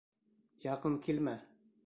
Яҡын килмә.